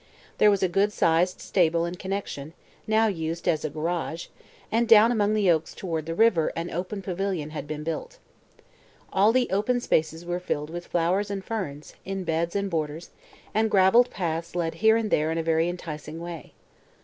There was a good sized stable in connection now used as a garage and down among the oaks toward the river an open pavilion had been built. All the open spaces were filled with flowers and ferns, in beds and borders, and graveled paths led here and there in a very enticing way.